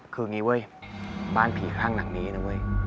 คืองี้ไว้บ้านผีคลั่งหลังนี้นะเว้ย